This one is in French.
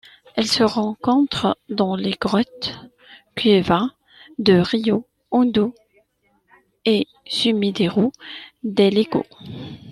Elle se rencontre dans les grottes Cueva de Río Hondo et Sumidero del Higo.